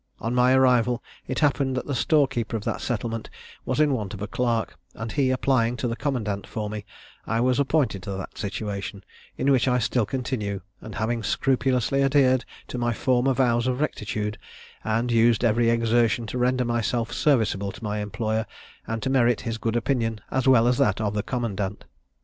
On my arrival, it happened that the storekeeper of that settlement was in want of a clerk, and he applying to the commandant for me, I was appointed to that situation, in which I still continue; and having scrupulously adhered to my former vows of rectitude, and used every exertion to render myself serviceable to my employer, and to merit his good opinion as well as that of the commandant.